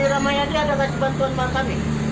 edy ramayadi ada yang kasih bantuan sama kami